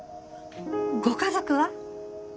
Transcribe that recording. ご家族は？